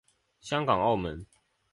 香港澳门